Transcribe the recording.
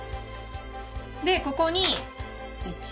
でここに。